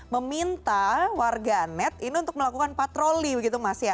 meminta warga net ini untuk melakukan patroli begitu mas ya